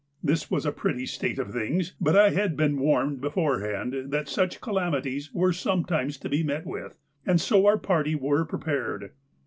This was a pretty state of things, but I had been warned beforehand that such calamities were sometimes to be met with, and so our party were prepared.